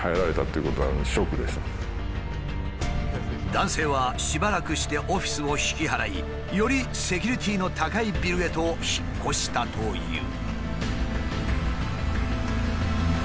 男性はしばらくしてオフィスを引き払いよりセキュリティーの高いビルへと引っ越したという。